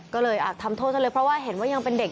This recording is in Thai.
ก็เลยทำโทษซะเลยเพราะว่าเห็นว่ายังเป็นเด็ก